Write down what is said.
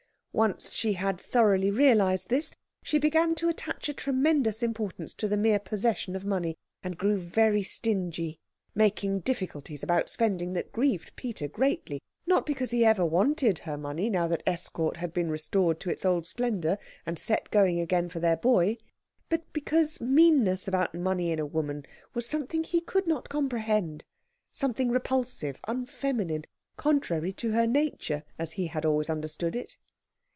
Once she had thoroughly realised this, she began to attach a tremendous importance to the mere possession of money, and grew very stingy, making difficulties about spending that grieved Peter greatly; not because he ever wanted her money now that Estcourt had been restored to its old splendour and set going again for their boy, but because meanness about money in a woman was something he could not comprehend something repulsive, unfeminine, contrary to her nature as he had always understood it.